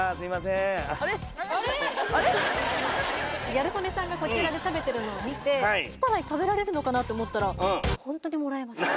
・ギャル曽根さんがこちらで食べてるのを見て来たら食べられるのかなって思ったらホントにもらえました。